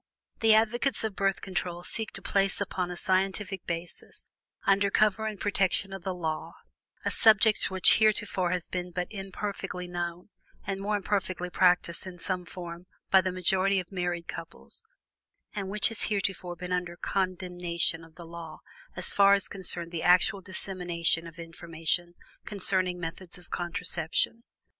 The advocates of Birth Control seek to place upon a scientific basis, under cover and protection of the law, a subject which heretofore has been but imperfectly known, and more imperfectly practiced in some form by the majority of married couples, and which has heretofore been under condemnation of the law so far as concerned the actual dissemination of information concerning methods of contraception.